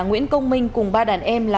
nguyễn công minh cùng ba đàn em là